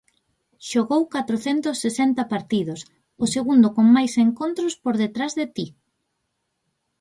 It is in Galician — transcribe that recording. Xogou catrocentos sesenta partidos, o segundo con máis encontros por detrás de ti.